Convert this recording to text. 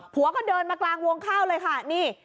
ผัวก็เดินมากลางวงข้าวเลยค่ะนี่